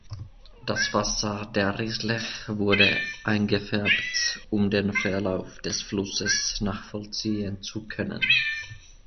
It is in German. Das Wasser der Risle wurde eingefärbt, um den Verlauf des Flusses nachvollziehen zu können.